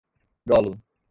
dolo